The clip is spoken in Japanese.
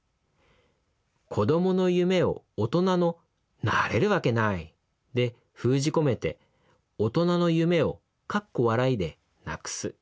子どもの夢を大人の『なれるわけない』で封じ込めて大人の夢を「」でなくす。